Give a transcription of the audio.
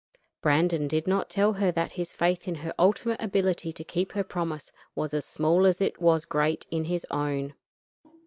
Brandon did not tell her that his faith in her ultimate ability to keep her promise was as small as it was great in his own.